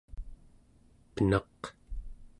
penaq